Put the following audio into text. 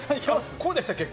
こうでしたっけ？